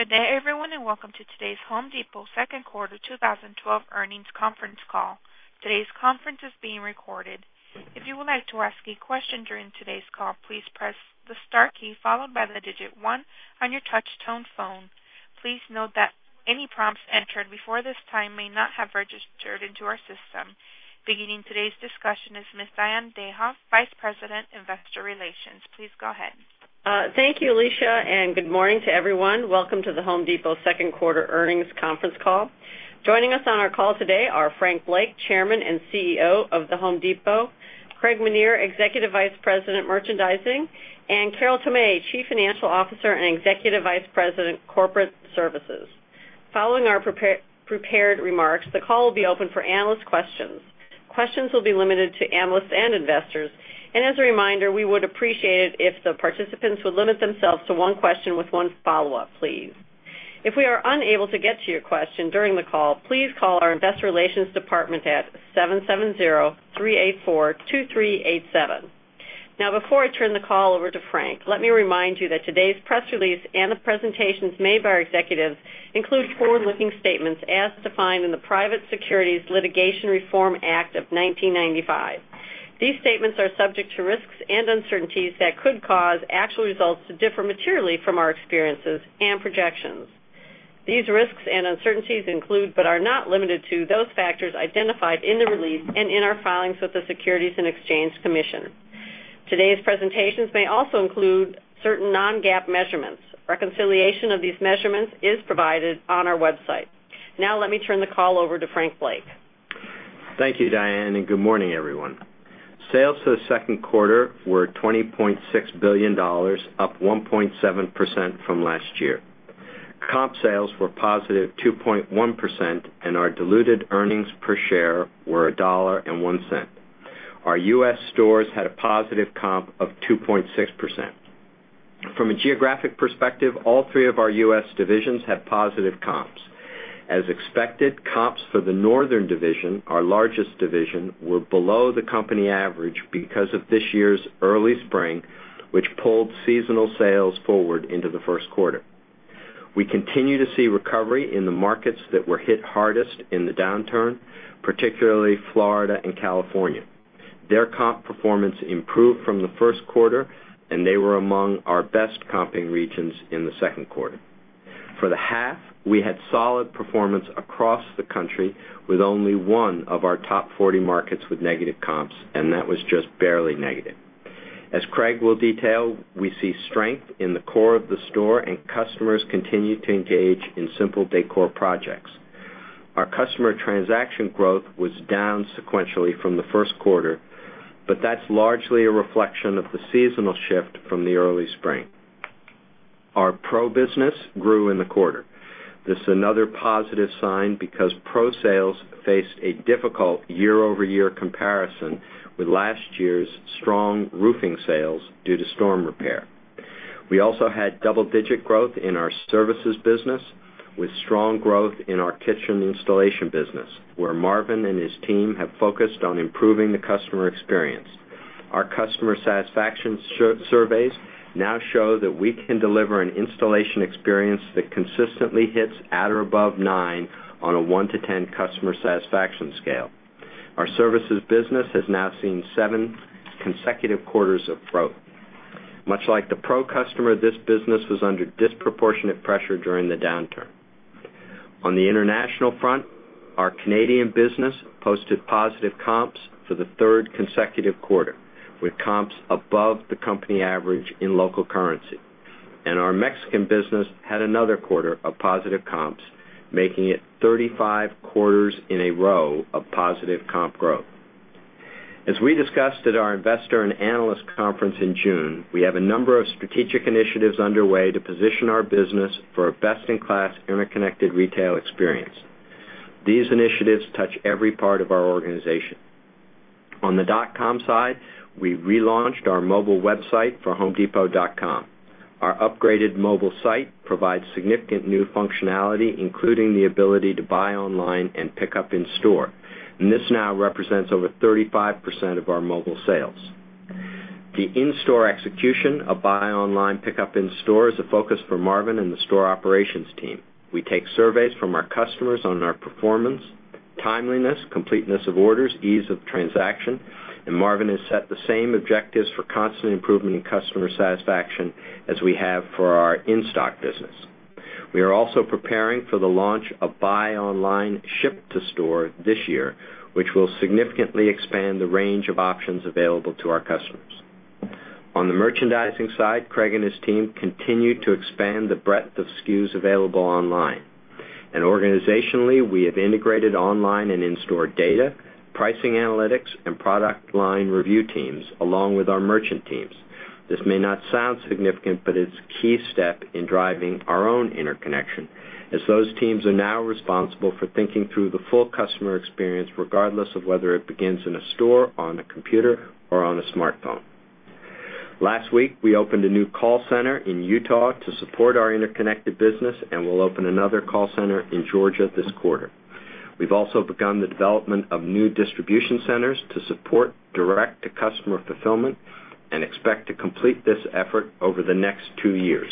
Good day, everyone, and welcome to today's The Home Depot second quarter 2012 earnings conference call. Today's conference is being recorded. If you would like to ask a question during today's call, please press the star key followed by the digit one on your touch tone phone. Please note that any prompts entered before this time may not have registered into our system. Beginning today's discussion is Ms. Diane Dayhoff, Vice President, Investor Relations. Please go ahead. Thank you, Alicia, and good morning to everyone. Welcome to The Home Depot second quarter earnings conference call. Joining us on our call today are Frank Blake, Chairman and CEO of The Home Depot, Craig Menear, Executive Vice President, Merchandising, and Carol Tomé, Chief Financial Officer and Executive Vice President, Corporate Services. Following our prepared remarks, the call will be open for analyst questions. Questions will be limited to analysts and investors, and as a reminder, we would appreciate it if the participants would limit themselves to one question with one follow-up, please. If we are unable to get to your question during the call, please call our investor relations department at 770-384-2387. Before I turn the call over to Frank, let me remind you that today's press release and the presentations made by our executives include forward-looking statements as defined in the Private Securities Litigation Reform Act of 1995. These statements are subject to risks and uncertainties that could cause actual results to differ materially from our experiences and projections. These risks and uncertainties include, but are not limited to, those factors identified in the release and in our filings with the Securities and Exchange Commission. Today's presentations may also include certain non-GAAP measurements. Reconciliation of these measurements is provided on our website. Let me turn the call over to Frank Blake. Thank you, Diane, and good morning, everyone. Sales for the second quarter were $20.6 billion, up 1.7% from last year. Comp sales were positive 2.1%, and our diluted earnings per share were $1.01. Our U.S. stores had a positive comp of 2.6%. From a geographic perspective, all three of our U.S. divisions had positive comps. As expected, comps for the northern division, our largest division, were below the company average because of this year's early spring, which pulled seasonal sales forward into the first quarter. We continue to see recovery in the markets that were hit hardest in the downturn, particularly Florida and California. Their comp performance improved from the first quarter, and they were among our best comping regions in the second quarter. For the half, we had solid performance across the country with only one of our top 40 markets with negative comps, and that was just barely negative. As Craig Menear will detail, we see strength in the core of the store and customers continue to engage in simple decor projects. Our customer transaction growth was down sequentially from the first quarter, but that's largely a reflection of the seasonal shift from the early spring. Our pro business grew in the quarter. This is another positive sign because pro sales faced a difficult year-over-year comparison with last year's strong roofing sales due to storm repair. We also had double-digit growth in our services business, with strong growth in our kitchen installation business, where Marvin Ellison and his team have focused on improving the customer experience. Our customer satisfaction surveys now show that we can deliver an installation experience that consistently hits at or above nine on a one to ten customer satisfaction scale. Our services business has now seen seven consecutive quarters of growth. Much like the pro customer, this business was under disproportionate pressure during the downturn. On the international front, our Canadian business posted positive comps for the third consecutive quarter, with comps above the company average in local currency. Our Mexican business had another quarter of positive comps, making it 35 quarters in a row of positive comp growth. As we discussed at our investor and analyst conference in June, we have a number of strategic initiatives underway to position our business for a best-in-class interconnected retail experience. These initiatives touch every part of our organization. On the dot-com side, we relaunched our mobile website for homedepot.com. Our upgraded mobile site provides significant new functionality, including the ability to buy online and pick up in store. This now represents over 35% of our mobile sales. The in-store execution of buy online, pickup in store is a focus for Marvin Ellison and the store operations team. We take surveys from our customers on our performance, timeliness, completeness of orders, ease of transaction, and Marvin Ellison has set the same objectives for constant improvement in customer satisfaction as we have for our in-stock business. We are also preparing for the launch of buy online, ship to store this year, which will significantly expand the range of options available to our customers. On the merchandising side, Craig Menear and his team continue to expand the breadth of SKUs available online. Organizationally, we have integrated online and in-store data, pricing analytics, and product line review teams, along with our merchant teams. This may not sound significant, but it's a key step in driving our own interconnection, as those teams are now responsible for thinking through the full customer experience, regardless of whether it begins in a store, on a computer, or on a smartphone. Last week, we opened a new call center in Utah to support our interconnected business, and we'll open another call center in Georgia this quarter. We've also begun the development of new distribution centers to support direct-to-customer fulfillment and expect to complete this effort over the next two years.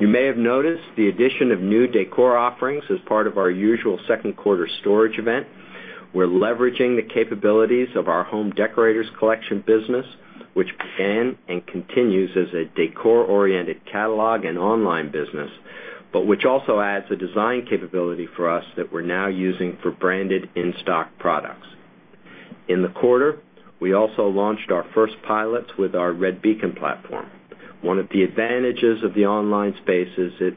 You may have noticed the addition of new decor offerings as part of our usual second quarter storage event. We're leveraging the capabilities of our Home Decorators Collection business, which began and continues as a decor-oriented catalog and online business, but which also adds a design capability for us that we're now using for branded in-stock products. In the quarter, we also launched our first pilot with our Redbeacon platform. One of the advantages of the online space is that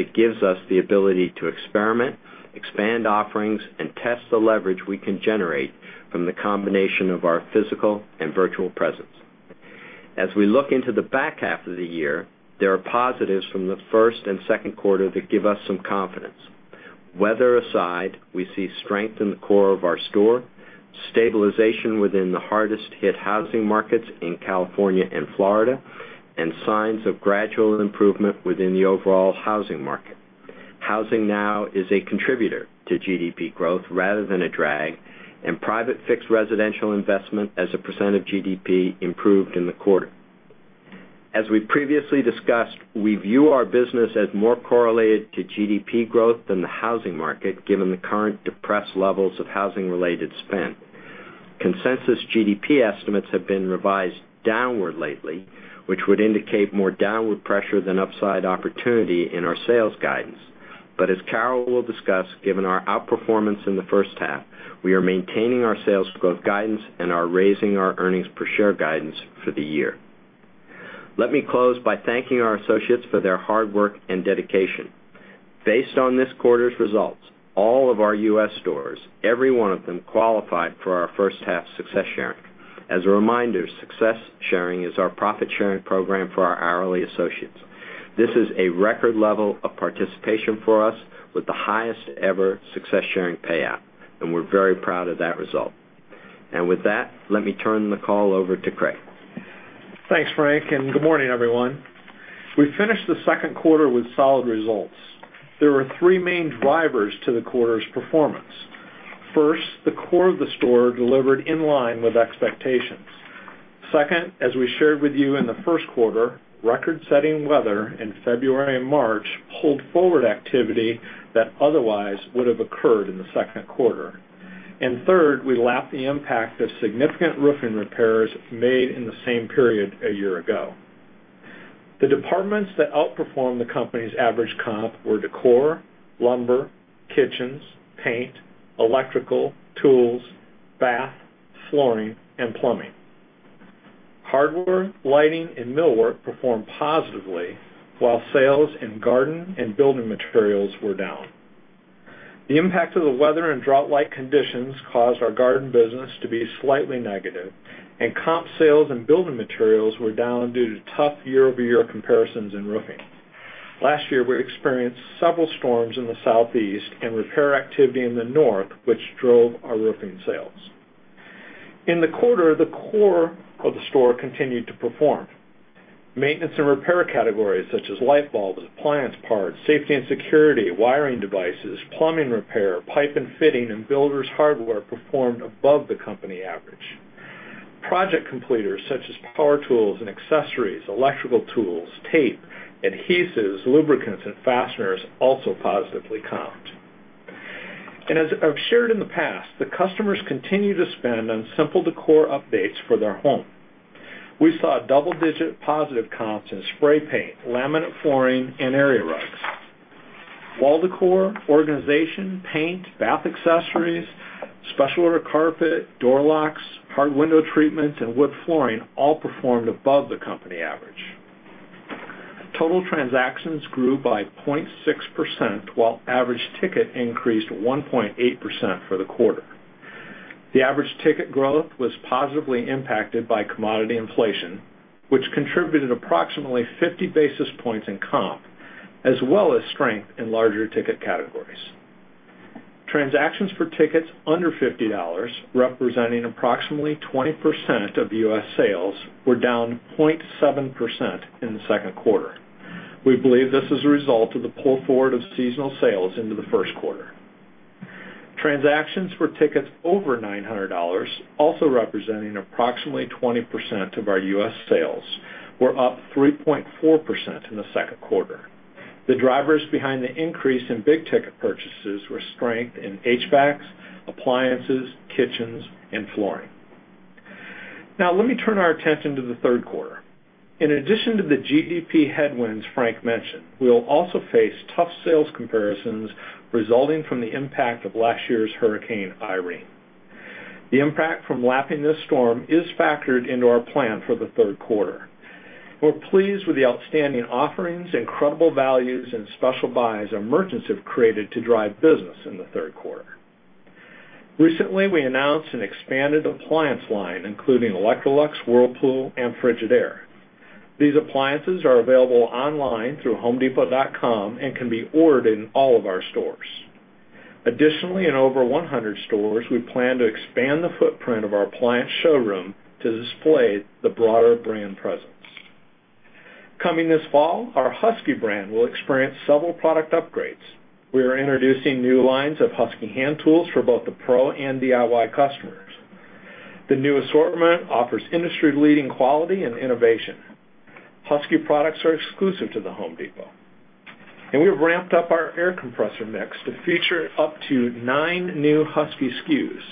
it gives us the ability to experiment, expand offerings, and test the leverage we can generate from the combination of our physical and virtual presence. As we look into the back half of the year, there are positives from the first and second quarter that give us some confidence. Weather aside, we see strength in the core of our store, stabilization within the hardest-hit housing markets in California and Florida, and signs of gradual improvement within the overall housing market. Housing now is a contributor to GDP growth rather than a drag, and private fixed residential investment as a % of GDP improved in the quarter. As we previously discussed, we view our business as more correlated to GDP growth than the housing market, given the current depressed levels of housing-related spend. Consensus GDP estimates have been revised downward lately, which would indicate more downward pressure than upside opportunity in our sales guidance. As Carol will discuss, given our outperformance in the first half, we are maintaining our sales growth guidance and are raising our earnings per share guidance for the year. Let me close by thanking our associates for their hard work and dedication. Based on this quarter's results, all of our U.S. stores, every one of them, qualified for our first half success sharing. As a reminder, success sharing is our profit-sharing program for our hourly associates. This is a record level of participation for us, with the highest-ever success-sharing payout, and we're very proud of that result. With that, let me turn the call over to Craig. Thanks, Frank, and good morning, everyone. We finished the second quarter with solid results. There were three main drivers to the quarter's performance. First, the core of the store delivered in line with expectations. Second, as we shared with you in the first quarter, record-setting weather in February and March pulled forward activity that otherwise would have occurred in the second quarter. Third, we lapped the impact of significant roofing repairs made in the same period a year ago. The departments that outperformed the company's average comp were decor, lumber, kitchens, paint, electrical, tools, bath, flooring, and plumbing. Hardware, lighting, and millwork performed positively, while sales in garden and building materials were down. The impact of the weather and drought-like conditions caused our garden business to be slightly negative, and comp sales and building materials were down due to tough year-over-year comparisons in roofing. Last year, we experienced several storms in the Southeast and repair activity in the North, which drove our roofing sales. In the quarter, the core of the store continued to perform. Maintenance and repair categories such as light bulbs, appliance parts, safety and security, wiring devices, plumbing repair, pipe and fitting, and builder's hardware performed above the company average. Project completers such as power tools and accessories, electrical tools, tape, adhesives, lubricants, and fasteners also positively comped. As I've shared in the past, the customers continue to spend on simple decor updates for their home. We saw double-digit positive comps in spray paint, laminate flooring, and area rugs. Wall decor, organization, paint, bath accessories, special order carpet, door locks, hard window treatments, and wood flooring all performed above the company average. Total transactions grew by 0.6%, while average ticket increased 1.8% for the quarter. The average ticket growth was positively impacted by commodity inflation, which contributed approximately 50 basis points in comp, as well as strength in larger ticket categories. Transactions for tickets under $50, representing approximately 20% of U.S. sales, were down 0.7% in the second quarter. We believe this is a result of the pull forward of seasonal sales into the first quarter. Transactions for tickets over $900, also representing approximately 20% of our U.S. sales, were up 3.4% in the second quarter. The drivers behind the increase in big-ticket purchases were strength in HVACs, appliances, kitchens, and flooring. Let me turn our attention to the third quarter. In addition to the GDP headwinds Frank mentioned, we'll also face tough sales comparisons resulting from the impact of last year's Hurricane Irene. The impact from lapping this storm is factored into our plan for the third quarter. We're pleased with the outstanding offerings, incredible values, and special buys our merchants have created to drive business in the third quarter. Recently, we announced an expanded appliance line, including Electrolux, Whirlpool, and Frigidaire. These appliances are available online through homedepot.com and can be ordered in all of our stores. Additionally, in over 100 stores, we plan to expand the footprint of our appliance showroom to display the broader brand presence. Coming this fall, our Husky brand will experience several product upgrades. We are introducing new lines of Husky hand tools for both the pro and DIY customers. The new assortment offers industry-leading quality and innovation. Husky products are exclusive to The Home Depot. We've ramped up our air compressor mix to feature up to nine new Husky SKUs,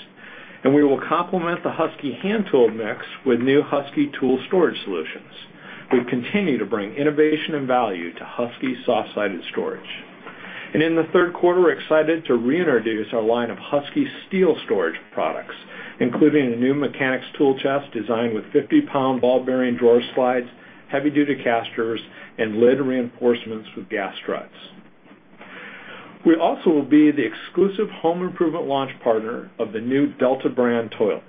and we will complement the Husky hand tool mix with new Husky tool storage solutions. We continue to bring innovation and value to Husky soft-sided storage. In the third quarter, we're excited to reintroduce our line of Husky steel storage products, including a new mechanic's tool chest designed with 50-pound ball bearing drawer slides, heavy-duty casters, and lid reinforcements with gas struts. We also will be the exclusive home improvement launch partner of the new Delta brand toilets.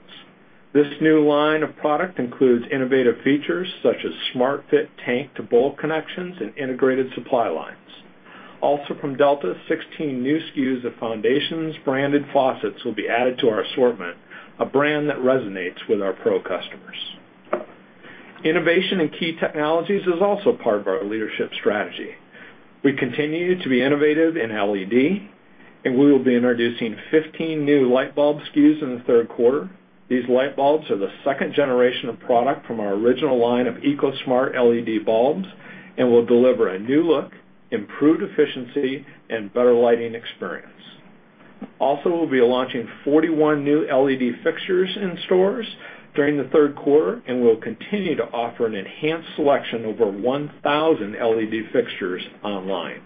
This new line of product includes innovative features such as smart fit tank-to-bowl connections and integrated supply lines. Also from Delta, 16 new SKUs of Foundations-branded faucets will be added to our assortment, a brand that resonates with our pro customers. Innovation in key technologies is also part of our leadership strategy. We continue to be innovative in LED, and we will be introducing 15 new light bulb SKUs in the third quarter. These light bulbs are the second generation of product from our original line of EcoSmart LED bulbs and will deliver a new look, improved efficiency, and better lighting experience. We'll be launching 41 new LED fixtures in stores during the third quarter, and we'll continue to offer an enhanced selection of over 1,000 LED fixtures online.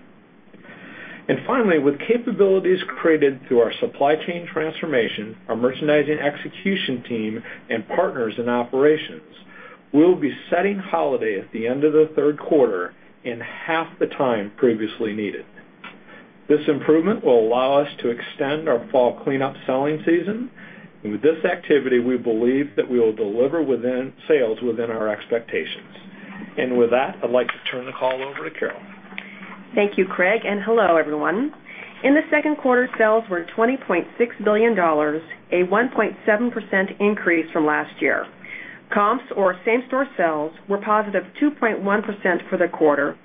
Finally, with capabilities created through our supply chain transformation, our merchandising execution team, and partners in operations, we will be setting holiday at the end of the third quarter in half the time previously needed. This improvement will allow us to extend our fall cleanup selling season. With this activity, we believe that we will deliver sales within our expectations. With that, I'd like to turn the call over to Carol. Thank you, Craig, and hello, everyone. In the second quarter, sales were $20.6 billion, a 1.7% increase from last year. Comps or same-store sales were positive 2.1% for the quarter,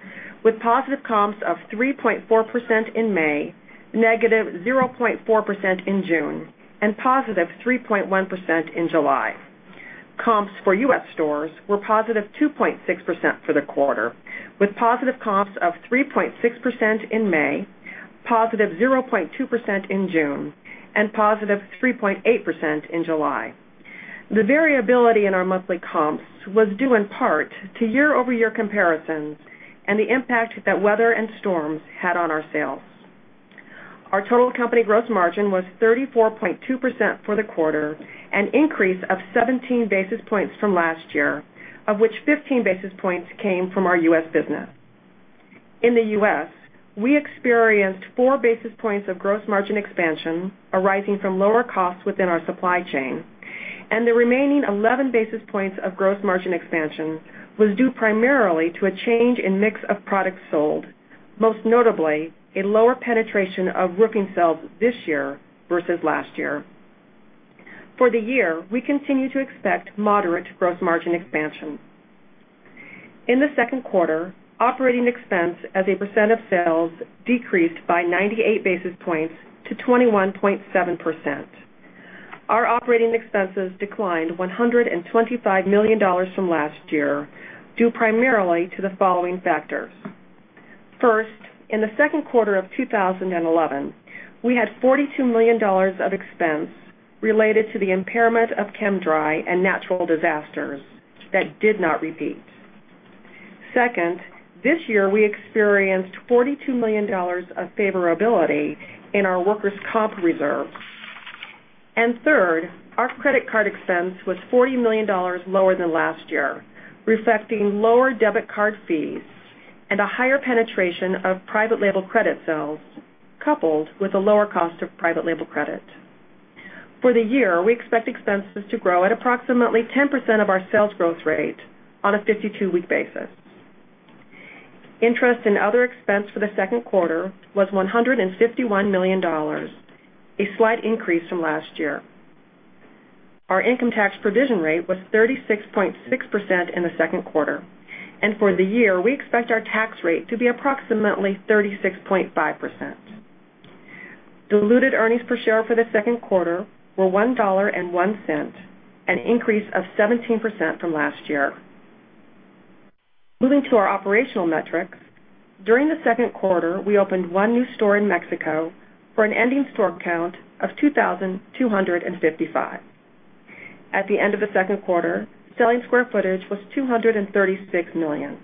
with positive comps of 3.4% in May, negative 0.4% in June, and positive 3.1% in July. Comps for U.S. stores were positive 2.6% for the quarter, with positive comps of 3.6% in May, positive 0.2% in June, and positive 3.8% in July. The variability in our monthly comps was due in part to year-over-year comparisons and the impact that weather and storms had on our sales. Our total company gross margin was 34.2% for the quarter, an increase of 17 basis points from last year, of which 15 basis points came from our U.S. business. In the U.S., we experienced four basis points of gross margin expansion arising from lower costs within our supply chain, and the remaining 11 basis points of gross margin expansion was due primarily to a change in mix of products sold, most notably, a lower penetration of roofing sales this year versus last year. For the year, we continue to expect moderate gross margin expansion. In the second quarter, operating expense as a % of sales decreased by 98 basis points to 21.7%. Our operating expenses declined $125 million from last year, due primarily to the following factors. First, in the second quarter of 2011, we had $42 million of expense related to the impairment of Chem-Dry and natural disasters that did not repeat. Second, this year we experienced $42 million of favorability in our workers' comp reserve. Third, our credit card expense was $40 million lower than last year, reflecting lower debit card fees and a higher penetration of private label credit sales, coupled with a lower cost of private label credit. For the year, we expect expenses to grow at approximately 10% of our sales growth rate on a 52-week basis. Interest and other expense for the second quarter was $151 million, a slight increase from last year. Our income tax provision rate was 36.6% in the second quarter. For the year, we expect our tax rate to be approximately 36.5%. Diluted earnings per share for the second quarter were $1.01, an increase of 17% from last year. Moving to our operational metrics, during the second quarter, we opened one new store in Mexico for an ending store count of 2,255. At the end of the second quarter, selling square footage was 236 million,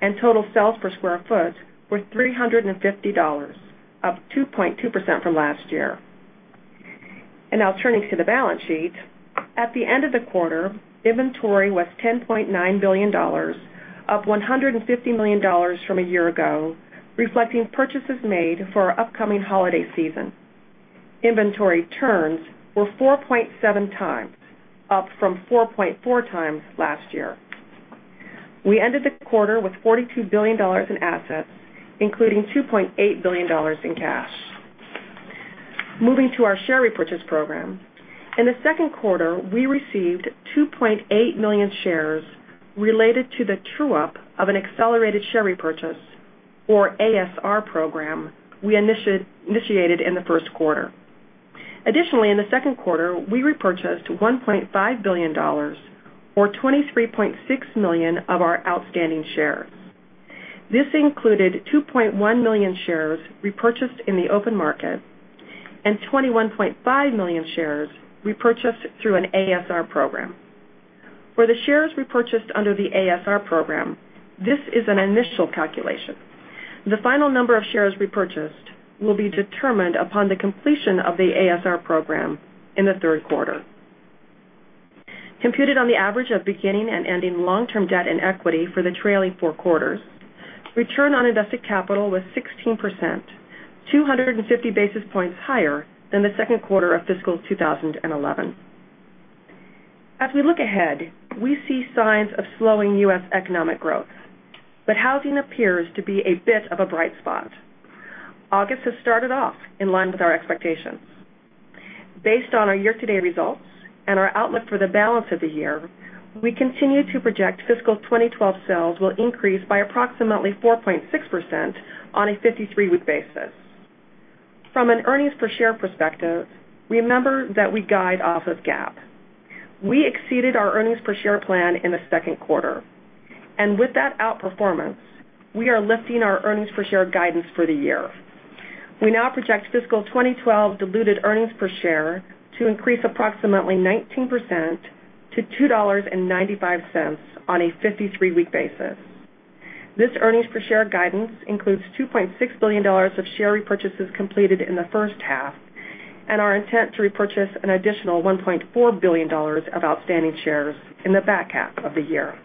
and total sales per square foot were $350, up 2.2% from last year. Now turning to the balance sheet. At the end of the quarter, inventory was $10.9 billion, up $150 million from a year ago, reflecting purchases made for our upcoming holiday season. Inventory turns were 4.7 times, up from 4.4 times last year. We ended the quarter with $42 billion in assets, including $2.8 billion in cash. Moving to our share repurchase program. In the second quarter, we received 2.8 million shares related to the true-up of an accelerated share repurchase or ASR program we initiated in the first quarter. Additionally, in the second quarter, we repurchased $1.5 billion or 23.6 million of our outstanding shares. This included 2.1 million shares repurchased in the open market and 21.5 million shares repurchased through an ASR program. For the shares repurchased under the ASR program, this is an initial calculation. The final number of shares repurchased will be determined upon the completion of the ASR program in the third quarter. Computed on the average of beginning and ending long-term debt and equity for the trailing four quarters, return on invested capital was 16%, 250 basis points higher than the second quarter of fiscal 2011. As we look ahead, we see signs of slowing U.S. economic growth, housing appears to be a bit of a bright spot. August has started off in line with our expectations. Based on our year-to-date results and our outlook for the balance of the year, we continue to project fiscal 2012 sales will increase by approximately 4.6% on a 53-week basis. From an earnings per share perspective, remember that we guide off of GAAP. We exceeded our earnings per share plan in the second quarter. With that outperformance, we are lifting our earnings per share guidance for the year. We now project fiscal 2012 diluted earnings per share to increase approximately 19% to $2.95 on a 53-week basis. This earnings per share guidance includes $2.6 billion of share repurchases completed in the first half and our intent to repurchase an additional $1.4 billion of outstanding shares in the back half of the year.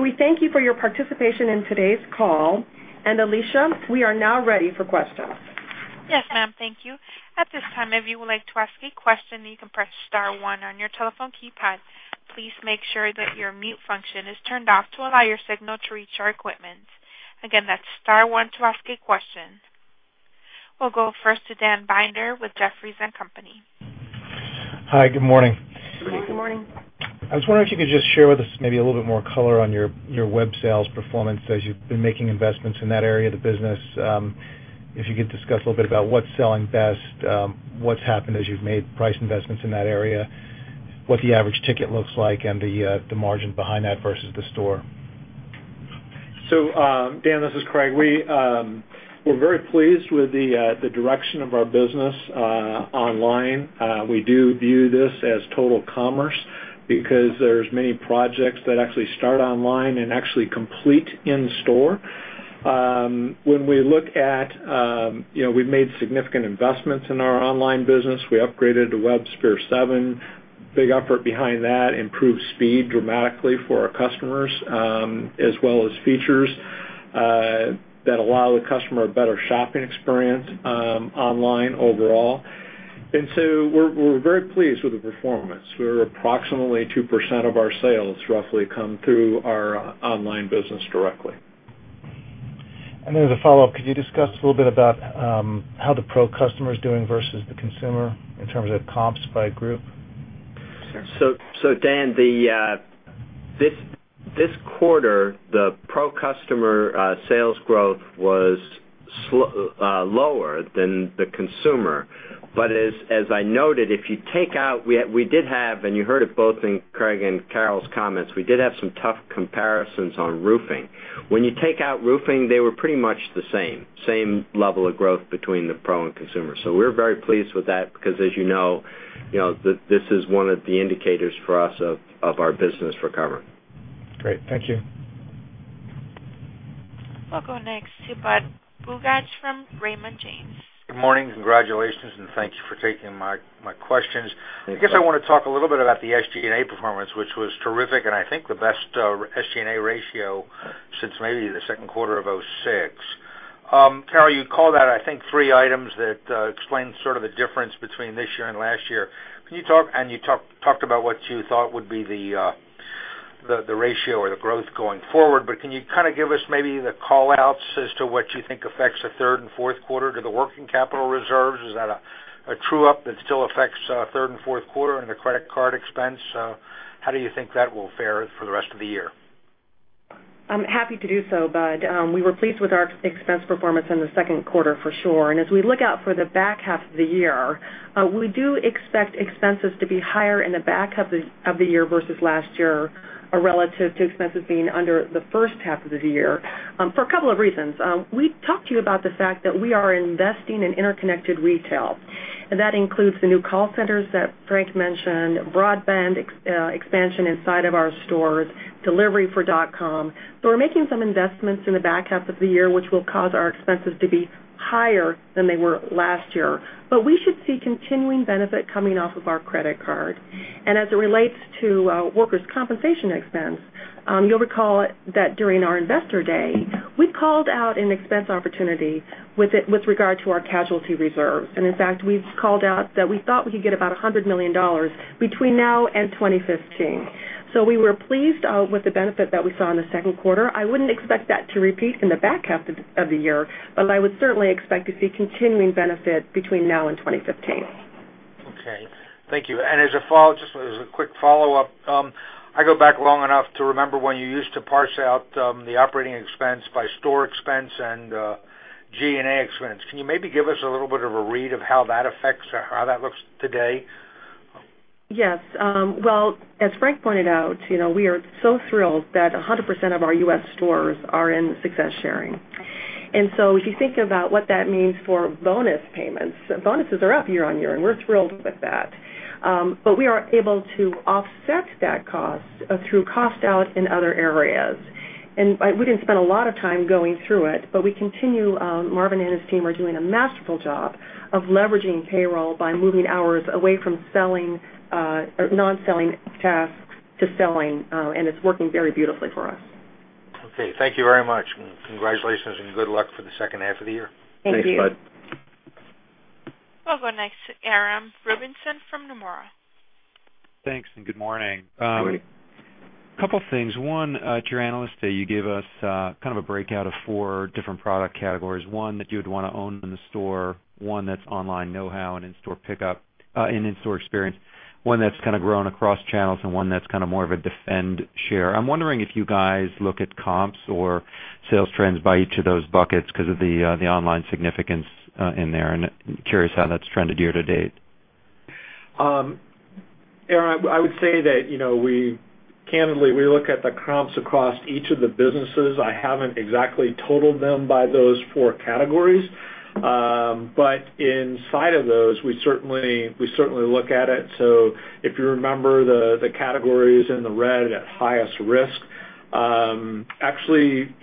We thank you for your participation in today's call. Alicia, we are now ready for questions. Yes, ma'am. Thank you. At this time, if you would like to ask a question, you can press star one on your telephone keypad. Please make sure that your mute function is turned off to allow your signal to reach our equipment. Again, that's star one to ask a question. We'll go first to Dan Binder with Jefferies & Company. Hi, good morning. Good morning. I was wondering if you could just share with us maybe a little bit more color on your web sales performance as you've been making investments in that area of the business. If you could discuss a little bit about what's selling best, what's happened as you've made price investments in that area, what the average ticket looks like and the margin behind that versus the store. Dan, this is Craig. We're very pleased with the direction of our business online. We do view this as total commerce because there's many projects that actually start online and actually complete in store. We've made significant investments in our online business. We upgraded to WebSphere 7.0. Big effort behind that, improved speed dramatically for our customers, as well as features that allow the customer a better shopping experience online overall. We're very pleased with the performance, where approximately 2% of our sales roughly come through our online business directly. As a follow-up, could you discuss a little bit about how the pro customer is doing versus the consumer in terms of comps by group? Sure. Dan, this quarter, the pro customer sales growth was lower than the consumer. As I noted, we did have, and you heard it both in Craig and Carol's comments, we did have some tough comparisons on roofing. When you take out roofing, they were pretty much the same level of growth between the pro and consumer. We're very pleased with that because as you know, this is one of the indicators for us of our business recovery. Great. Thank you. We'll go next to Budd Bugatch from Raymond James. Good morning. Congratulations and thank you for taking my questions. Thank you. I guess I want to talk a little bit about the SG&A performance, which was terrific and I think the best SG&A ratio since maybe the second quarter of 2006. Carol, you called out, I think, three items that explain sort of the difference between this year and last year. You talked about what you thought would be the ratio or the growth going forward, can you kind of give us maybe the call-outs as to what you think affects the third and fourth quarter to the working capital reserves? Is that a true-up that still affects third and fourth quarter and the credit card expense? How do you think that will fare for the rest of the year? I'm happy to do so, Budd. We were pleased with our expense performance in the second quarter for sure. As we look out for the back half of the year, we do expect expenses to be higher in the back half of the year versus last year, relative to expenses being under the first half of the year, for a couple of reasons. We talked to you about the fact that we are investing in interconnected retail, that includes the new call centers that Frank mentioned, broadband expansion inside of our stores, delivery for dot-com. We're making some investments in the back half of the year, which will cause our expenses to be higher than they were last year. We should see continuing benefit coming off of our credit card. As it relates to workers' compensation expense, you'll recall that during our investor day, we called out an expense opportunity with regard to our casualty reserves. In fact, we called out that we thought we could get about $100 million between now and 2015. We were pleased with the benefit that we saw in the second quarter. I wouldn't expect that to repeat in the back half of the year, but I would certainly expect to see continuing benefit between now and 2015. Okay. Thank you. As a quick follow-up, I go back long enough to remember when you used to parse out the operating expense by store expense and G&A expense. Can you maybe give us a little bit of a read of how that affects or how that looks today? Yes. Well, as Frank pointed out, we are so thrilled that 100% of our U.S. stores are in success sharing. If you think about what that means for bonus payments, bonuses are up year-over-year, and we're thrilled with that. We are able to offset that cost through cost out in other areas. We didn't spend a lot of time going through it, but we continue, Marvin and his team are doing a masterful job of leveraging payroll by moving hours away from non-selling tasks to selling, and it's working very beautifully for us. Okay. Thank you very much, congratulations and good luck for the second half of the year. Thank you. Thanks, Budd. We'll go next to Aram Rubinson from Nomura. Thanks, good morning. Good morning. A couple of things. One, at your Analyst Day, you gave us a breakout of four different product categories, one that you'd want to own in the store, one that's online knowhow and in-store pickup and in-store experience, one that's grown across channels, and one that's more of a defend share. I'm wondering if you guys look at comps or sales trends by each of those buckets because of the online significance in there, and curious how that's trended year to date. Aram, I would say that candidly, we look at the comps across each of the businesses. I haven't exactly totaled them by those four categories. Inside of those, we certainly look at it. If you remember the categories in the red at highest risk, actually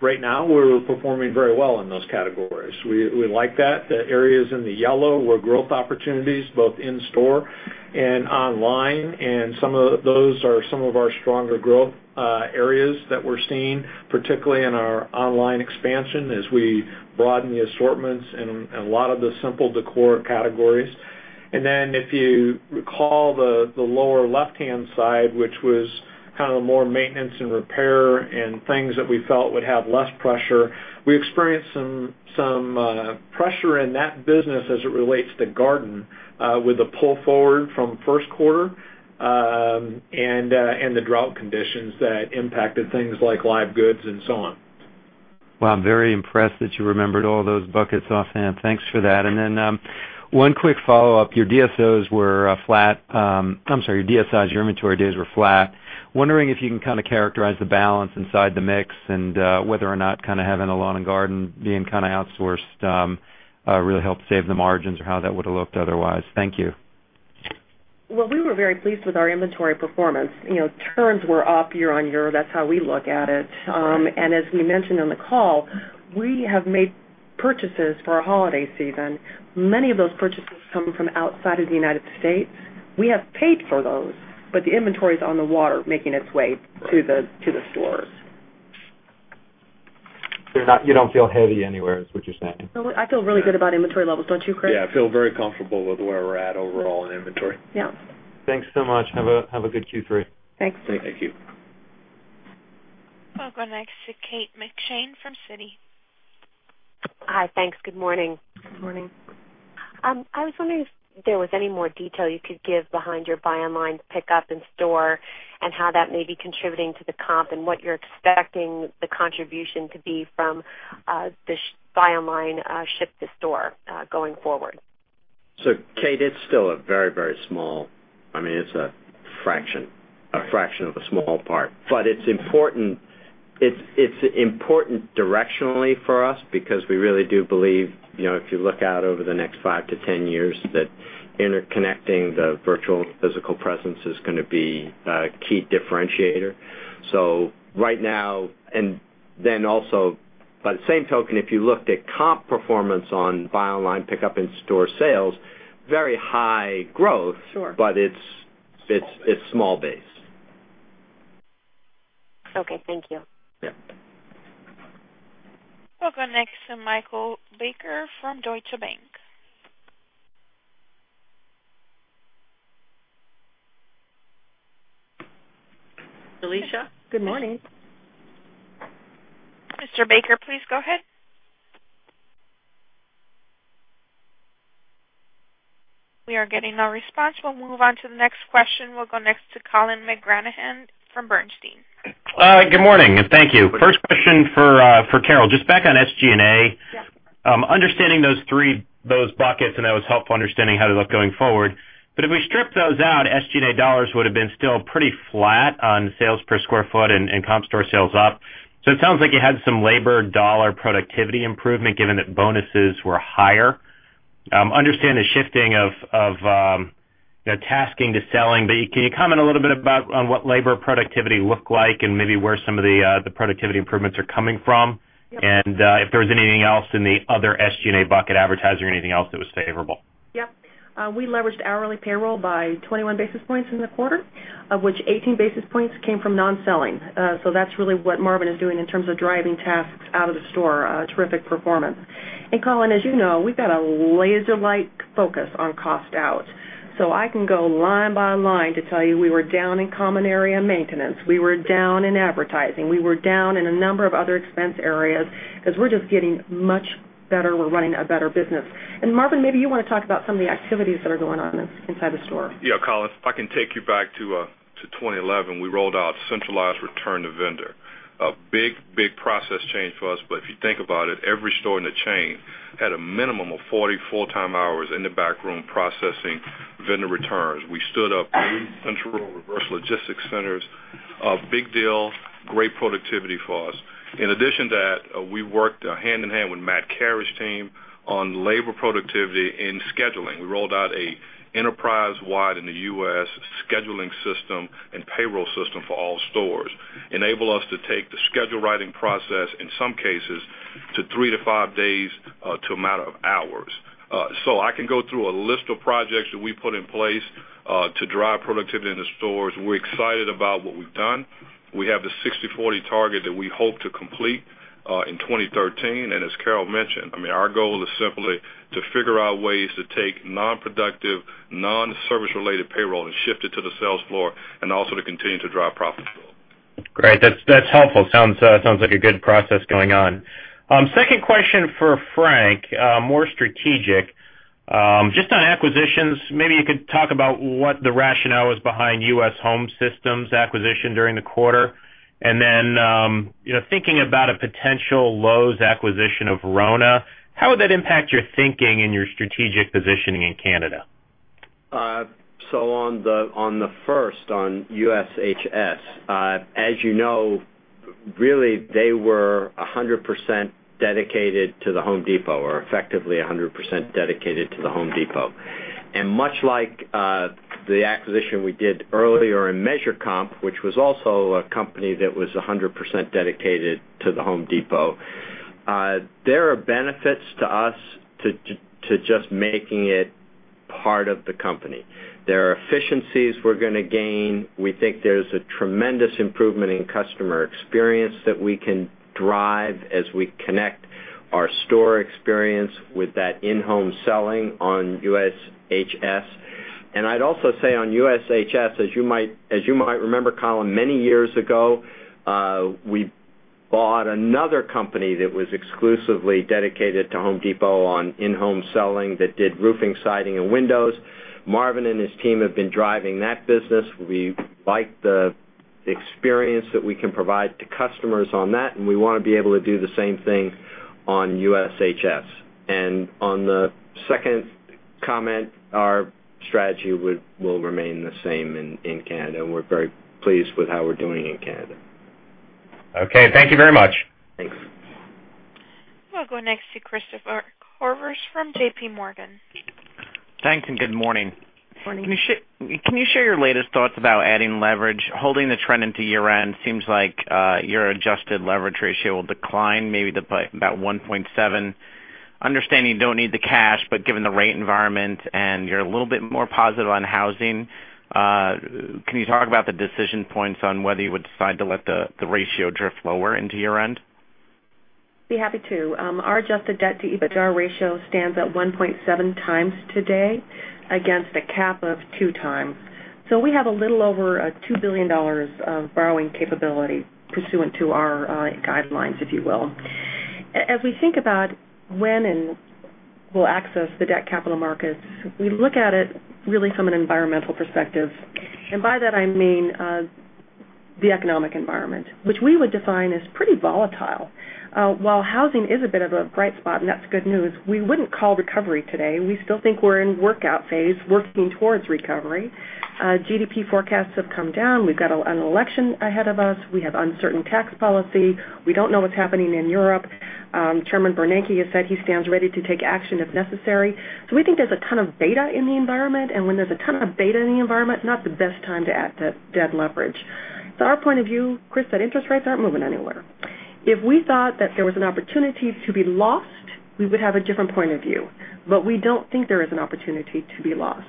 right now, we're performing very well in those categories. We like that. The areas in the yellow were growth opportunities, both in store and online, and some of those are some of our stronger growth areas that we're seeing, particularly in our online expansion as we broaden the assortments in a lot of the simple decor categories. If you recall the lower left-hand side, which was more maintenance and repair and things that we felt would have less pressure, we experienced some pressure in that business as it relates to garden with the pull forward from first quarter and the drought conditions that impacted things like live goods and so on. Well, I am very impressed that you remembered all those buckets offhand. Thanks for that. Then one quick follow-up. Your DSOs were flat. I am sorry, your DSIs, your inventory days were flat. Wondering if you can characterize the balance inside the mix and whether or not having a lawn and garden being outsourced really helped save the margins or how that would have looked otherwise. Thank you. Well, we were very pleased with our inventory performance. Turns were up year-over-year. That is how we look at it. As we mentioned on the call, we have made purchases for our holiday season. Many of those purchases come from outside of the United States. We have paid for those, the inventory is on the water making its way to the stores. You do not feel heavy anywhere is what you are saying. I feel really good about inventory levels, do not you, Craig? Yeah, I feel very comfortable with where we're at overall in inventory. Yeah. Thanks so much. Have a good Q3. Thanks. Thank you. We'll go next to Kate McShane from Citi. Hi, thanks. Good morning. Good morning. I was wondering if there was any more detail you could give behind your buy online, pick up in store, and how that may be contributing to the comp and what you're expecting the contribution to be from the buy online, ship to store going forward. Kate, it's still a very small. It's a fraction of a small part. It's important directionally for us because we really do believe, if you look out over the next 5 to 10 years, that interconnecting the virtual physical presence is going to be a key differentiator. Right now, and then also by the same token, if you looked at comp performance on buy online, pick up in store sales. Sure it's small base. Okay. Thank you. Yeah. We'll go next to Michael Baker from Deutsche Bank. Felicia? Good morning. Mr. Baker, please go ahead. We are getting no response. We'll move on to the next question. We'll go next to Colin McGranahan from Bernstein. Good morning, and thank you. First question for Carol. Just back on SG&A. Yeah. Understanding those buckets and that was helpful understanding how to look going forward. If we strip those out, SG&A dollars would've been still pretty flat on sales per square foot and comp store sales up. It sounds like you had some labor dollar productivity improvement given that bonuses were higher. Understand the shifting of tasking to selling, but can you comment a little bit about on what labor productivity looked like and maybe where some of the productivity improvements are coming from? Yeah. If there's anything else in the other SG&A bucket, advertising or anything else that was favorable. Yeah. We leveraged hourly payroll by 21 basis points in the quarter, of which 18 basis points came from non-selling. That's really what Marvin is doing in terms of driving tasks out of the store. Terrific performance. Colin, as you know, we've got a laser-like focus on cost out. I can go line by line to tell you we were down in common area maintenance. We were down in advertising. We were down in a number of other expense areas because we're just getting much better. We're running a better business. Marvin, maybe you want to talk about some of the activities that are going on inside the store. Yeah, Colin, I can take you back to 2011. We rolled out centralized return to vendor. A big, big process change for us, but if you think about it, every store in the chain had a minimum of 40 full-time hours in the back room processing vendor returns. We stood up three central reverse logistics centers. A big deal, great productivity for us. In addition to that, we worked hand-in-hand with Matt Carr's team on labor productivity in scheduling. We rolled out an enterprise-wide, in the U.S., scheduling system and payroll system for all stores. Enable us to take the schedule-writing process, in some cases, to three to five days to a matter of hours. I can go through a list of projects that we put in place to drive productivity in the stores. We're excited about what we've done. We have the 60/40 target that we hope to complete in 2013. As Carol mentioned, our goal is simply to figure out ways to take non-productive, non-service related payroll and shift it to the sales floor and also to continue to drive profitability. Great. That's helpful. Sounds like a good process going on. Second question for Frank, more strategic. Just on acquisitions, maybe you could talk about what the rationale was behind U.S. Home Systems acquisition during the quarter. Then, thinking about a potential Lowe's acquisition of RONA, how would that impact your thinking and your strategic positioning in Canada? On the first, on USHS, as you know, really they were 100% dedicated to The Home Depot or effectively 100% dedicated to The Home Depot. Much like the acquisition we did earlier in MeasureComp, which was also a company that was 100% dedicated to The Home Depot, there are benefits to us to just making it part of the company. There are efficiencies we're going to gain. We think there's a tremendous improvement in customer experience that we can drive as we connect our store experience with that in-home selling on USHS. I'd also say on USHS, as you might remember, Colin, many years ago, we bought another company that was exclusively dedicated to The Home Depot on in-home selling that did roofing, siding, and windows. Marvin and his team have been driving that business. We like the experience that we can provide to customers on that, and we want to be able to do the same thing on USHS. On the second comment, our strategy will remain the same in Canada, and we're very pleased with how we're doing in Canada. Okay, thank you very much. Thanks. We'll go next to Christopher Horvers from J.P. Morgan. Thanks, good morning. Morning. Can you share your latest thoughts about adding leverage? Holding the trend into year-end seems like your adjusted leverage ratio will decline maybe to about 1.7. Understanding you don't need the cash, given the rate environment and you're a little bit more positive on housing, can you talk about the decision points on whether you would decide to let the ratio drift lower into year-end? Be happy to. Our adjusted debt to EBITDA ratio stands at 1.7 times today against a cap of 2 times. We have a little over $2 billion of borrowing capability pursuant to our guidelines, if you will. As we think about when and we'll access the debt capital markets, we look at it really from an environmental perspective. By that, I mean the economic environment, which we would define as pretty volatile. While housing is a bit of a bright spot, and that's good news, we wouldn't call recovery today. We still think we're in workout phase, working towards recovery. GDP forecasts have come down. We've got an election ahead of us. We have uncertain tax policy. We don't know what's happening in Europe. Chairman Bernanke has said he stands ready to take action if necessary. We think there's a ton of beta in the environment, and when there's a ton of beta in the environment, not the best time to add debt leverage. Our point of view, Chris, that interest rates aren't moving anywhere. If we thought that there was an opportunity to be lost, we would have a different point of view. We don't think there is an opportunity to be lost.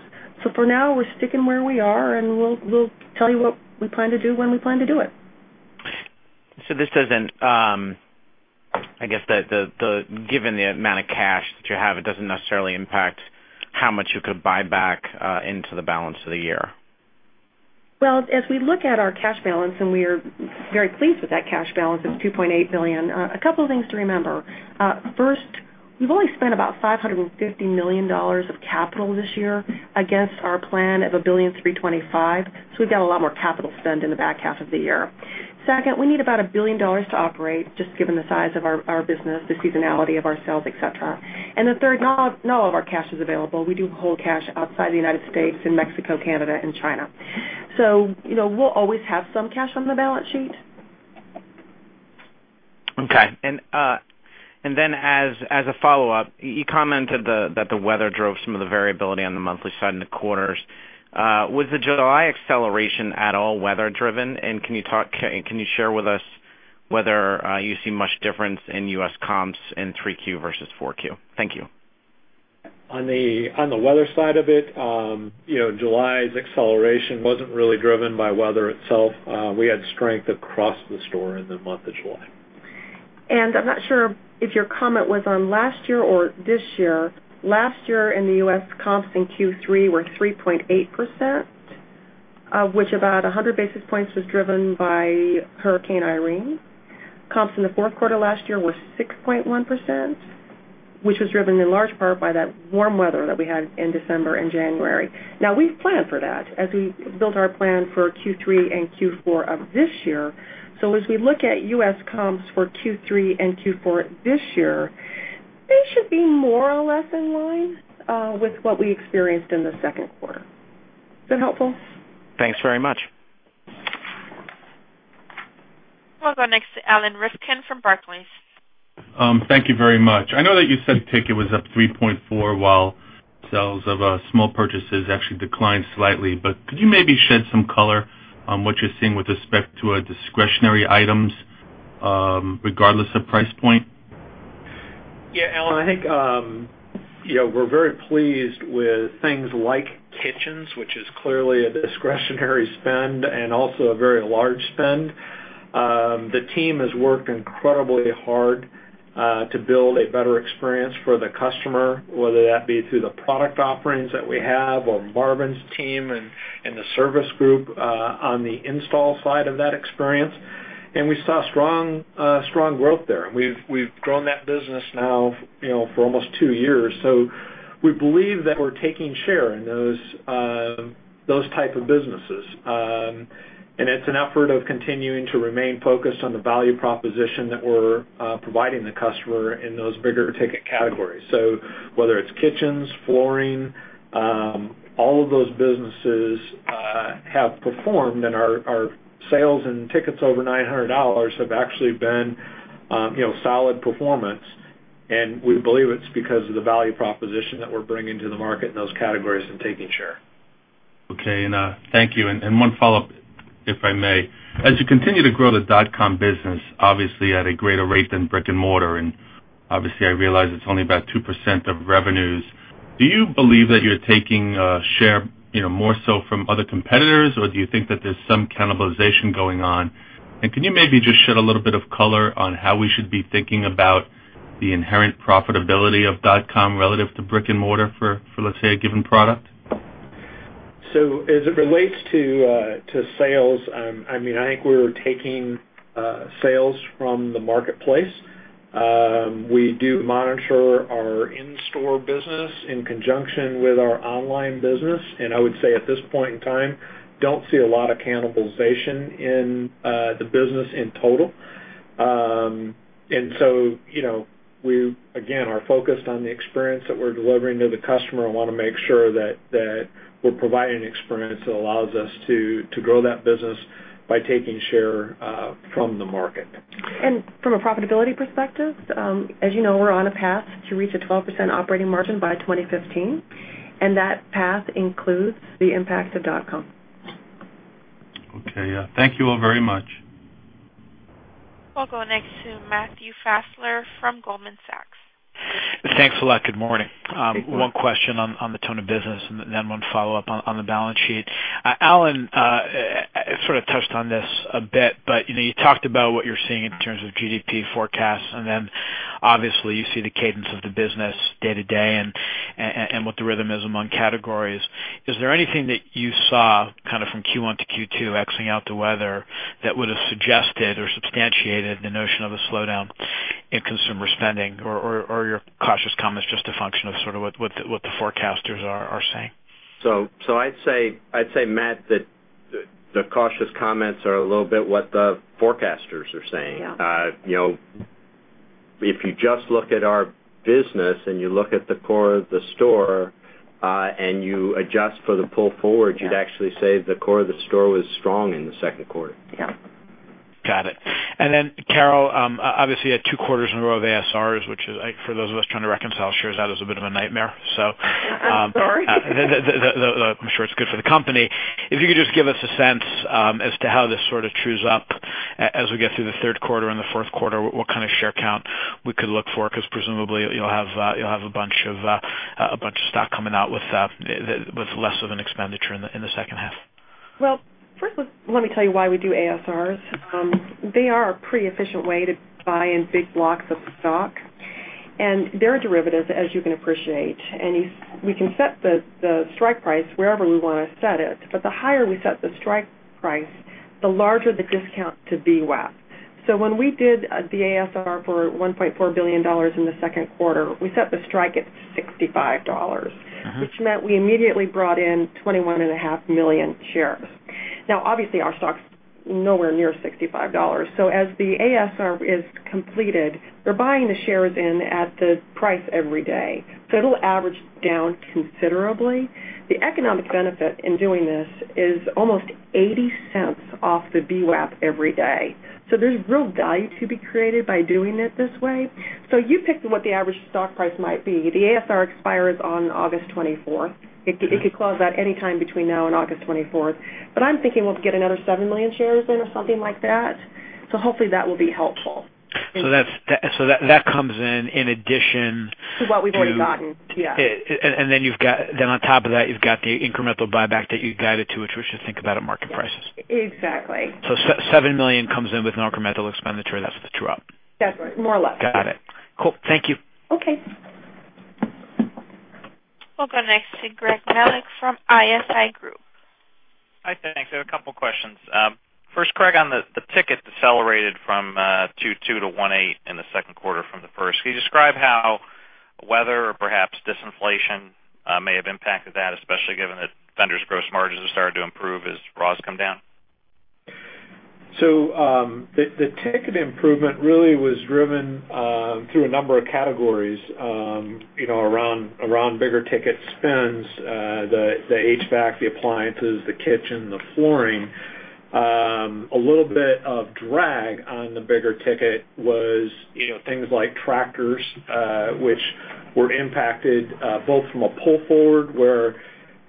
For now, we're sticking where we are, and we'll tell you what we plan to do when we plan to do it. This doesn't-- given the amount of cash that you have, it doesn't necessarily impact how much you could buy back into the balance of the year. As we look at our cash balance, we are very pleased with that cash balance of $2.8 billion, a couple of things to remember. First, we've only spent about $550 million of capital this year against our plan of $1.325 billion, we've got a lot more capital spend in the back half of the year. Second, we need about $1 billion to operate, just given the size of our business, the seasonality of our sales, et cetera. The third, not all of our cash is available. We do hold cash outside the United States in Mexico, Canada, and China. We'll always have some cash on the balance sheet. Okay. Then as a follow-up, you commented that the weather drove some of the variability on the monthly side and the quarters. Was the July acceleration at all weather-driven? Can you share with us whether you see much difference in U.S. comps in 3Q versus 4Q? Thank you. On the weather side of it, July's acceleration wasn't really driven by weather itself. We had strength across the store in the month of July. I'm not sure if your comment was on last year or this year. Last year in the U.S., comps in Q3 were 3.8%. Of which about 100 basis points was driven by Hurricane Irene. Comps in the fourth quarter last year were 6.1%, which was driven in large part by that warm weather that we had in December and January. We've planned for that as we built our plan for Q3 and Q4 of this year. As we look at U.S. comps for Q3 and Q4 this year, they should be more or less in line with what we experienced in the second quarter. Is that helpful? Thanks very much. We'll go next to Alan Rifkin from Barclays. Thank you very much. I know that you said ticket was up 3.4% while sales of small purchases actually declined slightly, could you maybe shed some color on what you're seeing with respect to discretionary items, regardless of price point? Yeah, Alan, I think we're very pleased with things like kitchens, which is clearly a discretionary spend and also a very large spend. The team has worked incredibly hard to build a better experience for the customer, whether that be through the product offerings that we have or Marvin's team and the service group on the install side of that experience. We saw strong growth there. We've grown that business now for almost two years. We believe that we're taking share in those type of businesses. It's an effort of continuing to remain focused on the value proposition that we're providing the customer in those bigger ticket categories. Whether it's kitchens, flooring, all of those businesses have performed, and our sales and tickets over $900 have actually been solid performance, and we believe it's because of the value proposition that we're bringing to the market in those categories and taking share. Okay. Thank you. One follow-up, if I may. As you continue to grow the dot-com business, obviously at a greater rate than brick-and-mortar, and obviously, I realize it's only about 2% of revenues. Do you believe that you're taking share more so from other competitors, or do you think that there's some cannibalization going on? Can you maybe just shed a little bit of color on how we should be thinking about the inherent profitability of dot-com relative to brick-and-mortar for, let's say, a given product? As it relates to sales, I think we're taking sales from the marketplace. We do monitor our in-store business in conjunction with our online business, and I would say at this point in time, don't see a lot of cannibalization in the business in total. We, again, are focused on the experience that we're delivering to the customer and want to make sure that we're providing an experience that allows us to grow that business by taking share from the market. From a profitability perspective, as you know, we're on a path to reach a 12% operating margin by 2015, and that path includes the impact of dot-com. Okay. Thank you all very much. We'll go next to Matthew Fassler from Goldman Sachs. Thanks a lot. Good morning. One question on the tone of business and then one follow-up on the balance sheet. Alan sort of touched on this a bit, but you talked about what you're seeing in terms of GDP forecasts, and then obviously you see the cadence of the business day-to-day and what the rhythm is among categories. Is there anything that you saw from Q1 to Q2, exing out the weather, that would have suggested or substantiated the notion of a slowdown in consumer spending, or your cautious comment is just a function of sort of what the forecasters are saying? I'd say, Matt, that the cautious comments are a little bit what the forecasters are saying. Yeah. If you just look at our business and you look at the core of the store and you adjust for the pull forward, you'd actually say the core of the store was strong in the second quarter. Yeah. Got it. Carol, obviously, you had two quarters in a row of ASRs, which for those of us trying to reconcile shares, that is a bit of a nightmare. I'm sorry. I'm sure it's good for the company. If you could just give us a sense as to how this sort of trues up as we get through the third quarter and the fourth quarter, what kind of share count we could look for, because presumably, you'll have a bunch of stock coming out with less of an expenditure in the second half. Well, first, let me tell you why we do ASRs. They are a pretty efficient way to buy in big blocks of stock. They're derivatives, as you can appreciate. We can set the strike price wherever we want to set it, but the higher we set the strike price, the larger the discount to VWAP. When we did the ASR for $1.4 billion in the second quarter, we set the strike at $65, which meant we immediately brought in 21.5 million shares. Now, obviously, our stock's nowhere near $65. As the ASR is completed, they're buying the shares in at the price every day. It'll average down considerably. The economic benefit in doing this is almost $0.80 off the VWAP every day. You pick what the average stock price might be. The ASR expires on August 24th. It could close at any time between now and August 24th. I'm thinking we'll get another 7 million shares in or something like that. Hopefully, that will be helpful. That comes in in addition to- To what we've already gotten. Yeah. On top of that, you've got the incremental buyback that you guided to, which we should think about at market prices. Exactly. Seven million comes in with an incremental expenditure. That's the true-up. That's right. More or less. Got it. Cool. Thank you. Okay. We'll go next to Gregory Melich from ISI Group. Hi, thanks. I have a couple of questions. First, Craig, on the ticket decelerated from 22 to 18 in the second quarter from the first. Can you describe how weather or perhaps disinflation may have impacted that, especially given that vendors' gross margins have started to improve as raws come down? The ticket improvement really was driven through a number of categories around bigger ticket spends, the HVAC, the appliances, the kitchen, the flooring. A little bit of drag on the bigger ticket was things like tractors, which were impacted both from a pull forward, where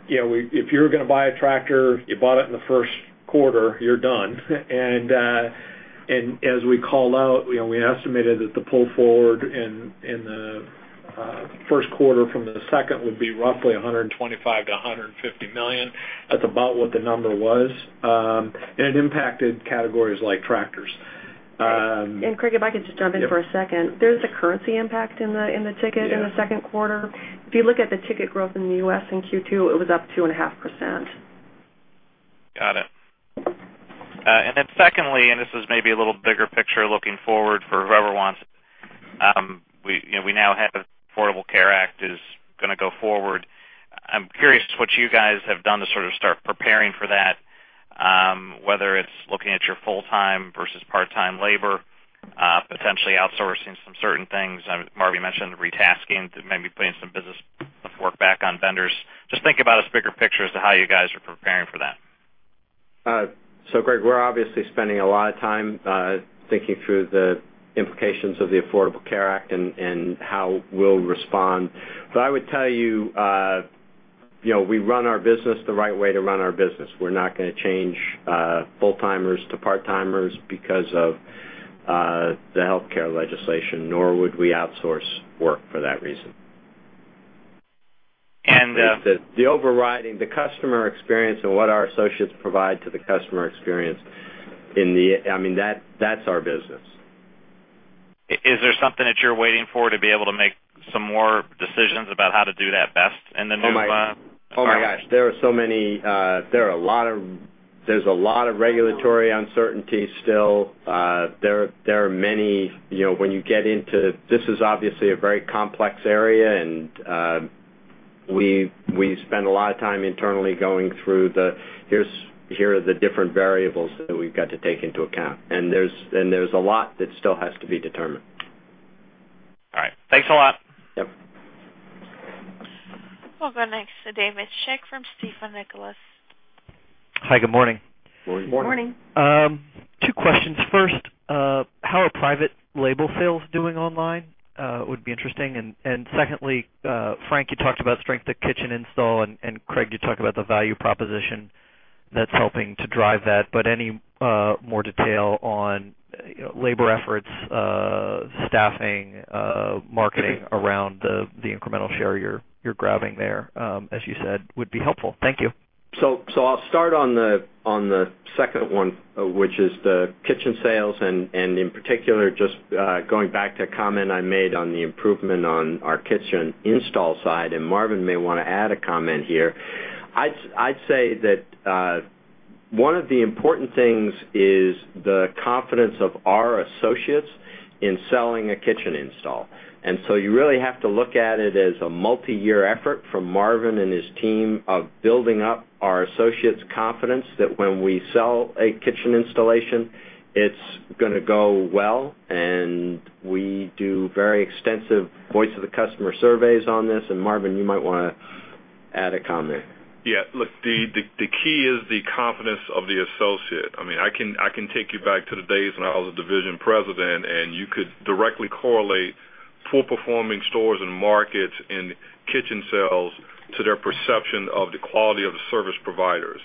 if you were going to buy a tractor, you bought it in the first quarter, you're done. As we called out, we estimated that the pull forward in the first quarter from the second would be roughly $125 million-$150 million. That's about what the number was. It impacted categories like tractors. Craig, if I could just jump in for a second. There's a currency impact in the ticket. Yeah In the second quarter. If you look at the ticket growth in the U.S. in Q2, it was up 2.5%. Got it. Secondly, this is maybe a little bigger picture looking forward for whoever wants it. We now have Affordable Care Act is going to go forward. I'm curious what you guys have done to start preparing for that, whether it's looking at your full-time versus part-time labor, potentially outsourcing some certain things. Marvin mentioned retasking, maybe putting some business work back on vendors. Just think about a bigger picture as to how you guys are preparing for that. Greg, we're obviously spending a lot of time thinking through the implications of the Affordable Care Act and how we'll respond. I would tell you, we run our business the right way to run our business. We're not going to change full-timers to part-timers because of the healthcare legislation, nor would we outsource work for that reason. The customer experience and what our associates provide to the customer experience, that's our business. Is there something that you're waiting for to be able to make some more decisions about how to do that best in the new- Oh my gosh, there's a lot of regulatory uncertainty still. This is obviously a very complex area, and we spend a lot of time internally going through the, "Here are the different variables that we've got to take into account." There's a lot that still has to be determined. All right. Thanks a lot. Yep. We'll go next to David Schick from Stifel Nicolaus. Hi, good morning. Morning. Morning. Two questions. First, how are private label sales doing online? Would be interesting. Secondly, Frank, you talked about strength of kitchen install, Craig, you talked about the value proposition that's helping to drive that. Any more detail on labor efforts, staffing, marketing around the incremental share you're grabbing there, as you said, would be helpful. Thank you. I'll start on the second one, which is the kitchen sales, in particular, just going back to a comment I made on the improvement on our kitchen install side, Marvin may want to add a comment here. I'd say that one of the important things is the confidence of our associates in selling a kitchen install. You really have to look at it as a multi-year effort from Marvin and his team of building up our associates' confidence that when we sell a kitchen installation, it's going to go well, and we do very extensive voice of the customer surveys on this. Marvin, you might want to add a comment. Yeah, look, the key is the confidence of the associate. I can take you back to the days when I was a division president, you could directly correlate poor-performing stores and markets and kitchen sales to their perception of the quality of the service providers.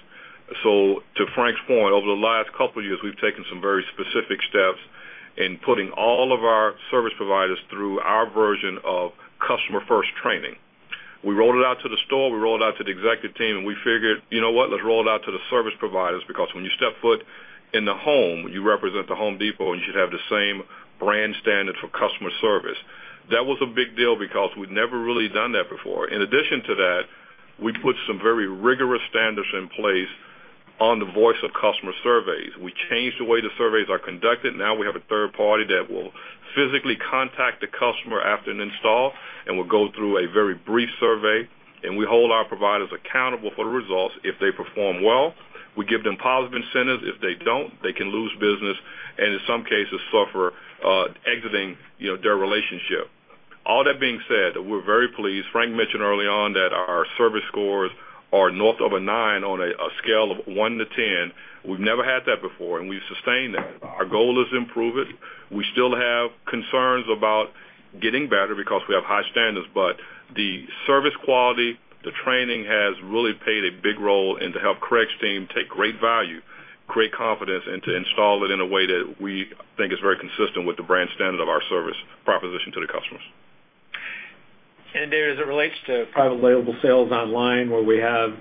To Frank's point, over the last couple of years, we've taken some very specific steps in putting all of our service providers through our version of customer-first training. We rolled it out to the store, we rolled it out to the executive team, we figured, you know what? Let's roll it out to the service providers, because when you step foot in the home, you represent The Home Depot, and you should have the same brand standards for customer service. That was a big deal because we'd never really done that before. In addition to that, we put some very rigorous standards in place on the voice of customer surveys. We changed the way the surveys are conducted. Now we have a third party that will physically contact the customer after an install and will go through a very brief survey, and we hold our providers accountable for the results. If they perform well, we give them positive incentives. If they don't, they can lose business, and in some cases, suffer exiting their relationship. All that being said, we're very pleased. Frank mentioned early on that our service scores are north of a nine on a scale of one to 10. We've never had that before, and we've sustained that. Our goal is to improve it. We still have concerns about getting better because we have high standards, the service quality, the training has really played a big role into help Craig's team take great value, great confidence, and to install it in a way that we think is very consistent with the brand standard of our service proposition to the customers. David, as it relates to private label sales online, where we have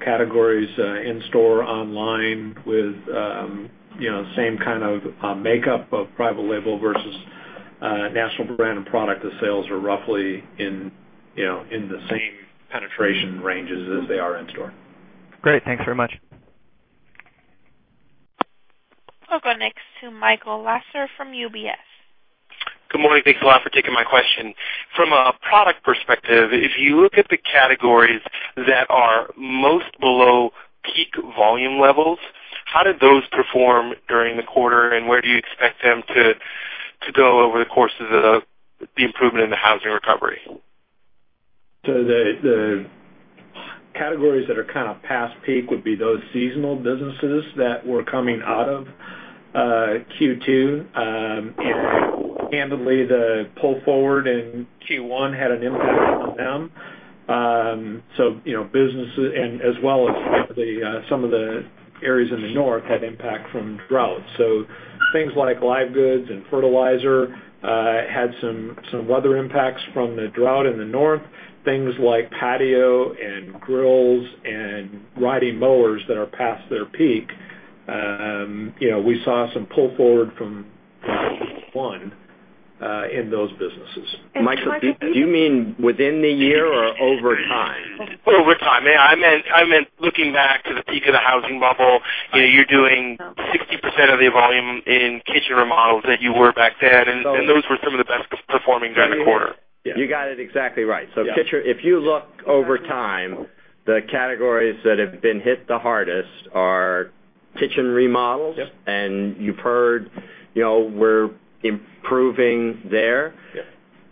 categories in-store, online with same kind of makeup of private label versus- National brand and product, the sales are roughly in the same penetration ranges as they are in store. Great. Thanks very much. We'll go next to Michael Lasser from UBS. Good morning. Thanks a lot for taking my question. From a product perspective, if you look at the categories that are most below peak volume levels, how did those perform during the quarter, and where do you expect them to go over the course of the improvement in the housing recovery? The categories that are kind of past peak would be those seasonal businesses that were coming out of Q2. Candidly, the pull forward in Q1 had an impact on them. Business, and as well as some of the areas in the north had impact from drought. Things like live goods and fertilizer had some weather impacts from the drought in the north. Things like patio and grills and riding mowers that are past their peak, we saw some pull forward from Q1 in those businesses. Michael, do you mean within the year or over time? Over time. I meant looking back to the peak of the housing bubble, you're doing 60% of the volume in kitchen remodels that you were back then, and those were some of the best performing during the quarter. You got it exactly right. If you look over time, the categories that have been hit the hardest are kitchen remodels. Yep. You've heard we're improving there. Yep.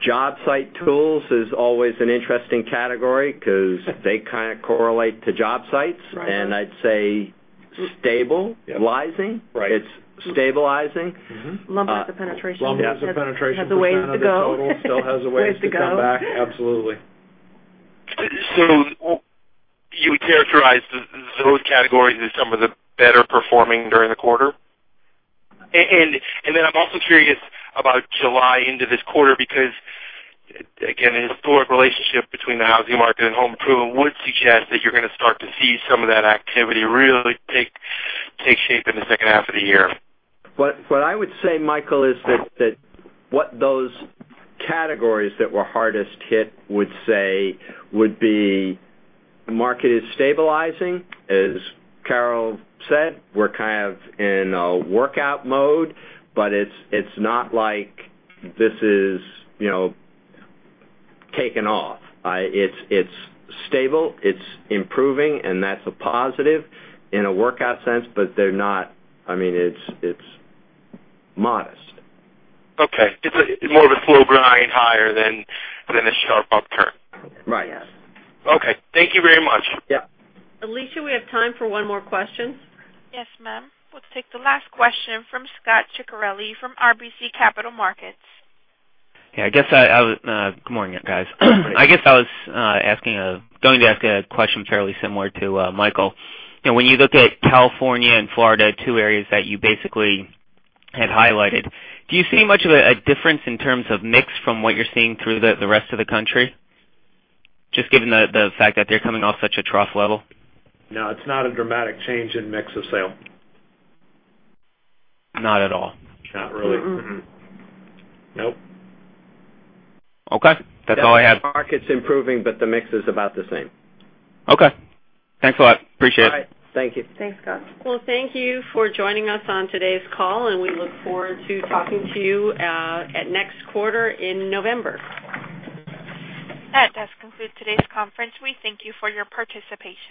Job site tools is always an interesting category because they kind of correlate to job sites. Right. I'd say stabilizing. Right. It's stabilizing. Lumped with the penetration. Lumped with the penetration % of the total. It has a ways to go. Still has a ways to come back. Absolutely. You would characterize those categories as some of the better performing during the quarter? I'm also curious about July into this quarter because, again, the historic relationship between the housing market and home improvement would suggest that you're going to start to see some of that activity really take shape in the second half of the year. What I would say, Michael, is that what those categories that were hardest hit would say would be the market is stabilizing. As Carol said, we're kind of in a workout mode, but it's not like this is taking off. It's stable, it's improving, and that's a positive in a workout sense. They're not It's modest. Okay. It's more of a slow grind higher than a sharp upturn. Right. Yes. Okay. Thank you very much. Yeah. Alicia, we have time for one more question. Yes, ma'am. Let's take the last question from Scot Ciccarelli from RBC Capital Markets. Yeah, good morning, guys. I guess I was going to ask a question fairly similar to Michael. When you look at California and Florida, two areas that you basically had highlighted, do you see much of a difference in terms of mix from what you're seeing through the rest of the country, just given the fact that they're coming off such a trough level? No, it's not a dramatic change in mix of sale. Not at all. Not really. Mm-mm. Nope. Okay. That's all I had. Market's improving, but the mix is about the same. Okay. Thanks a lot. Appreciate it. All right. Thank you. Thanks, Scott. Well, thank you for joining us on today's call, and we look forward to talking to you at next quarter in November. That does conclude today's conference. We thank you for your participation.